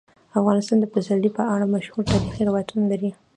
افغانستان د پسرلی په اړه مشهور تاریخی روایتونه لري.